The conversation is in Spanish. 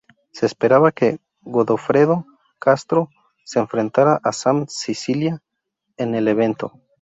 Se esperaba que Godofredo Castro se enfrentara a Sam Sicilia en el evento.